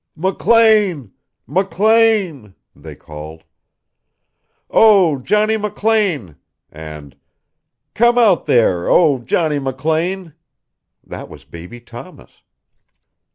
"McLean! McLean!" they called. "Oh, Johnny McLean!" and "Come out there, oh, Johnny McLean!" That was Baby Thomas.